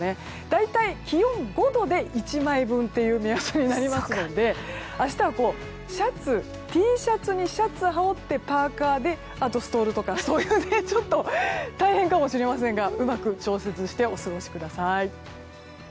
大体、気温５度で１枚分という目安になりますので明日はＴシャツにシャツを羽織ってパーカで、あとストールとかそういう、ちょっと大変かもしれませんがうまく調節してお過ごしください。